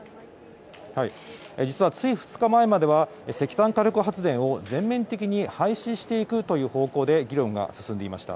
つい２日前までは石炭火力発電を全面的に廃止していくという方向で議論が進んでいました。